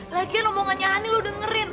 lagian omongannya hany lo dengerin